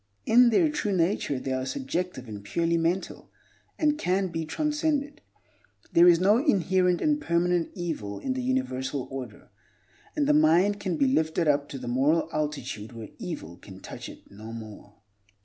In their true nature they are subjective and purely mental, and can be transcended. There is no inherent and permanent evil in the universal order; and the mind can be lifted up to the moral altitude where evil can touch it no more.